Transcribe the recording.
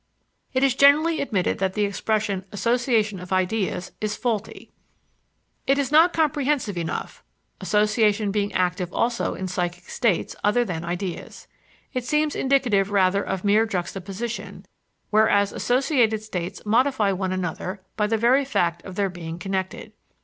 It is generally admitted that the expression "association of ideas" is faulty. It is not comprehensive enough, association being active also in psychic states other than ideas. It seems indicative rather of mere juxtaposition, whereas associated states modify one another by the very fact of their being connected.